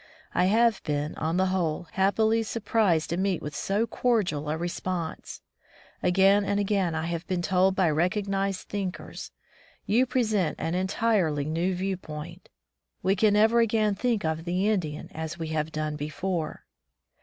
I have been, on the whole, happily sur prised to meet with so cordial a response. Again and again I have been told by recog nized thinkers, "You present an entirely new viewpoint. We can never again think of the Indian as we have done before."